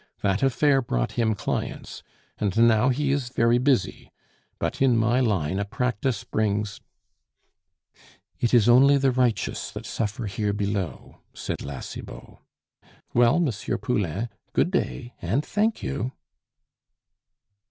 That affair brought him clients, and now he is very busy; but in my line a practice brings " "It is only the righteous that suffer here below," said La Cibot. "Well, M. Poulain, good day and thank you."